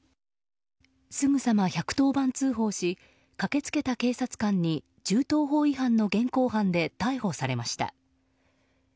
すぐさま１１０番通報し駆け付けた警察官に銃刀法違反の現行犯で逮捕されました。